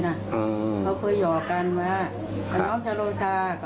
แม่ไม่ยอมเลยฆ่าลูกแม่ก็โกรธมันอยู่แล้ว